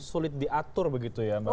sulit diatur begitu ya mbak